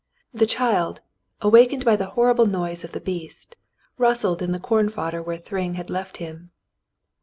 The child, awakened by the horrible noise of the beast, rustled in the corn fodder where Thryng had left him.